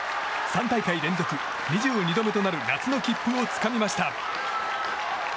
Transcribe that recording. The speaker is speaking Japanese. ３大会連続、２２度目となる夏の切符をつかみました。